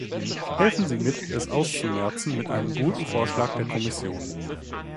Helfen Sie mit, es auszumerzen mit einem guten Vorschlag der Kommission!